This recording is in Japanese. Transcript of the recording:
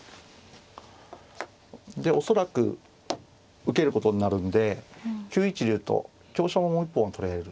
で恐らく受けることになるんで９一竜と香車ももう一本取れる。